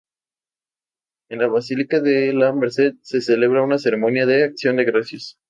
En la basílica de La Merced se celebra una ceremonia de acción de gracias.